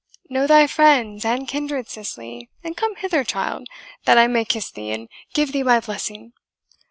Know thy friends and kindred, Cicely, and come hither, child, that I may kiss thee, and give thee my blessing."